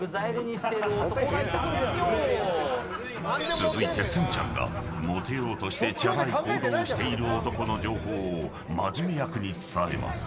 続いて、せんちゃんがもてようとしてちゃらい行動をしている男の情報をまじめ役に伝えます。